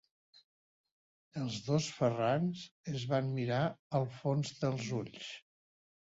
Els dos Ferrans es van mirar al fons dels ulls.